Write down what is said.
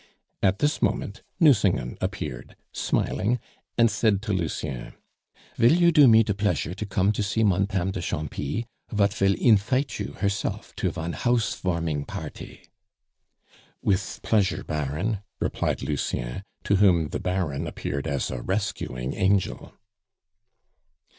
At this moment Nucingen appeared smiling, and said to Lucien: "Vill you do me de pleasure to come to see Montame de Champy, vat vill infite you herself to von house varming party " "With pleasure, Baron," replied Lucien, to whom the Baron appeared as a rescuing angel.